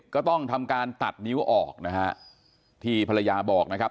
ก็ต้องทำการตัดนิ้วออกนะฮะที่ภรรยาบอกนะครับ